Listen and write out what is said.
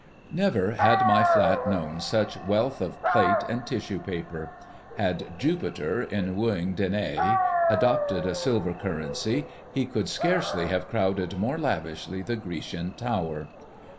Never had my flat known such wealth of plate and tissue paper. Had Jupiter, in wooing Danaë, adopted a silver currency, he could scarce have crowded more lavishly the Grecian tower.